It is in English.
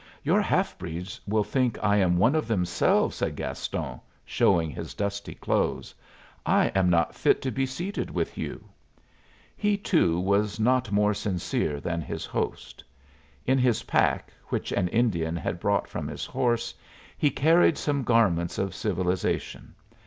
"Your half breeds will think I am one of themselves," said Gaston, showing his dusty clothes. "I am not fit to be seated with you." He, too, was not more sincere than his host. In his pack, which an Indian had brought from his horse, he carried some garments of civilization.